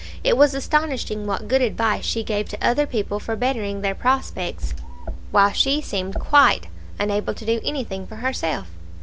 It was astonishing what good advice she gave to other people for bettering their prospects, while she seemed quite unable to do anything for herself.